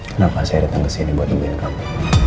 kenapa saya datang kesini buat nungguin kamu